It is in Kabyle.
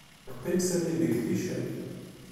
Yeqqim Sami deg ticcert